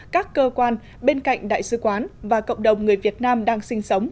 các cơ quan bên cạnh đại sứ quán và cộng đồng người việt nam đang sinh sống